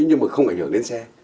nhưng mà không ảnh hưởng đến xe